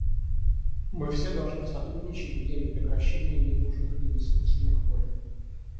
Мы все должны сотрудничать в деле прекращения ненужных и бессмысленных войн.